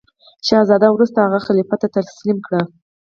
شهزاده وروسته هغه خلیفه ته تسلیم کړ.